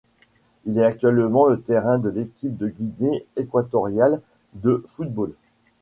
Il est actuellement le terrain de l'équipe de Guinée équatoriale de football.